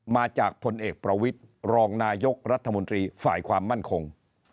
มาจากผลเอกประวิทย์รองนายกรัฐมนตรีฝ่ายความมั่นคง